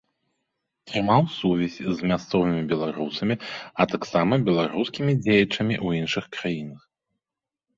Трымаў сувязь з мясцовымі беларусамі, а таксама беларускімі дзеячамі ў іншых краінах.